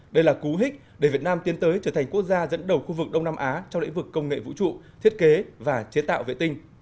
đây là cú hích để việt nam tiến tới trở thành quốc gia dẫn đầu khu vực đông nam á trong lĩnh vực công nghệ vũ trụ thiết kế và chế tạo vệ tinh